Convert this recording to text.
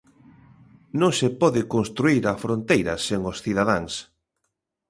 Non se pode construír a fronteira sen os cidadáns.